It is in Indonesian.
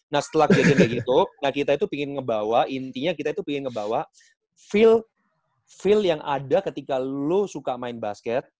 nah setelah kejadian kayak gitu kita itu ingin membawa intinya kita itu ingin membawa feel yang ada ketika lu suka main basket